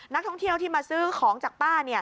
นักท่องเที่ยวที่มาซื้อของจากป้า